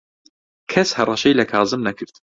کەس هەڕەشەی لە کازم نەکرد.